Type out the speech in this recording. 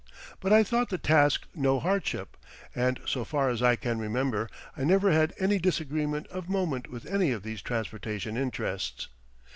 But I thought the task no hardship, and so far as I can remember I never had any disagreement of moment with any of these transportation interests.